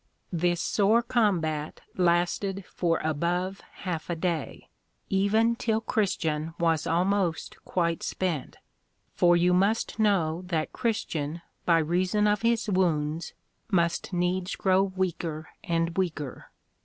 This sore Combat lasted for above half a day, even till Christian was almost quite spent; for you must know that Christian, by reason of his wounds, must needs grow weaker and weaker.